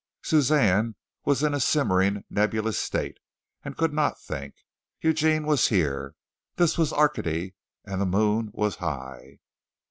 Suzanne was in a simmering, nebulous state, and could not think. Eugene was here. This was Arcady and the moon was high.